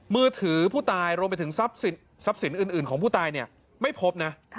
มือถือผู้ตายรวมไปถึงทรัพย์สินอื่นของผู้ตายเนี่ยไม่พบนะ